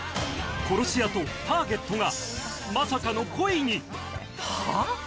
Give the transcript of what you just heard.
殺し屋とターゲットがまさかの恋にはぁ？